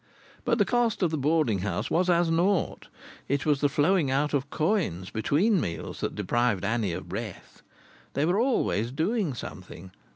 But the cost of the boarding house was as naught. It was the flowing out of coins between meals that deprived Annie of breath. They were always doing something.